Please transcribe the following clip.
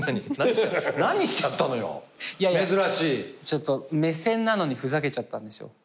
ちょっと目線なのにふざけちゃったんですよ。